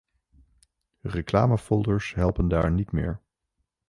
Reclamefolders helpen daar niet meer.